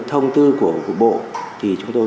thông tư của bộ thì chúng tôi